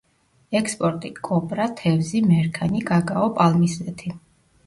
ექსპორტი: კოპრა, თევზი, მერქანი, კაკაო, პალმის ზეთი.